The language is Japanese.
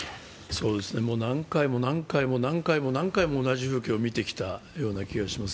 もう何回も何回も何回も何回も同じ風景を見てきたような気がします。